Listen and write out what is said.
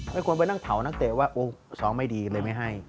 ไม่ควรไปนั่งเผานักเตะว่าสองไม่ดีเลยไม่ให้